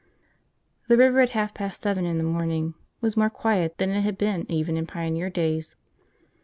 The river, at half past seven in the morning, was more quiet than it had been even in pioneer days.